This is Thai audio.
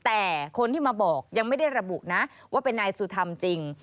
แต่คนที่มาบอกยังไม่ได้ระบุนะว่าเป็นนายสุธรรมจริง